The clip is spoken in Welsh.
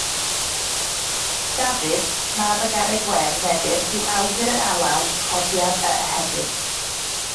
Dafydd, mab y Garreg Wen, meddir, yw awdur yr alaw Codiad yr Ehedydd.